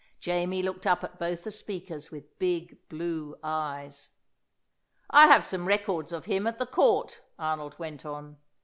Jamie looked up at both the speakers with big blue eyes. "I have some records of him at the Court," Arnold went on.